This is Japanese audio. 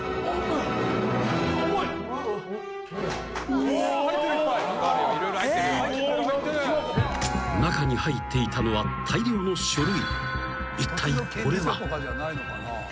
「うわー。すごい」［中に入っていたのは大量の書類］